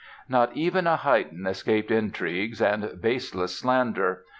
Not even a Haydn escaped intrigues and baseless slander.